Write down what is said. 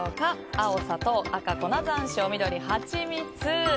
青、砂糖赤、粉山椒緑、ハチミツ。